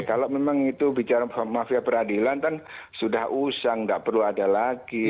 kalau memang itu bicara mafia peradilan kan sudah usang tidak perlu ada lagi